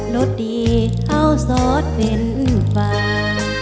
รถดีเขาสดเป็นฝ่า